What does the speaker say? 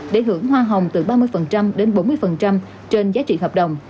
để hưởng hoa hồng từ ba mươi đến bốn mươi trên giá trị hợp đồng